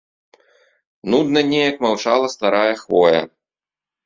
Нудна неяк маўчала старая хвоя.